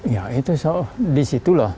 ya itu disitulah